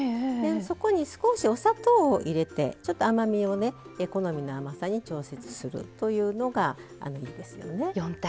そこに少しお砂糖を入れてちょっと甘みを好みの甘さに調節するというのがいいですよね。